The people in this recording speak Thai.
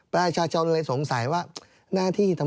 ประชาชนเลยสงสัยว่า